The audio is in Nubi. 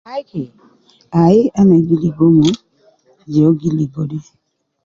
Ai ke, ayi ana gi ligo je uwo gi ligo de